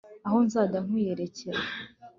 aho nzajya nkwiyerekera